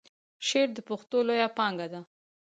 شعر د پښتو لویه پانګه ده.